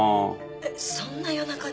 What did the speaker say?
えっそんな夜中に。